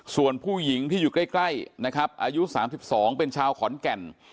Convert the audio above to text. ส่วนผู้หญิงที่อยู่ใกล้นะครับอายุ๓๒เป็นชาวขอนแก่น